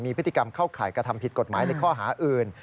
พฤติกรรมเข้าข่ายกระทำผิดกฎหมายในข้อหาอื่น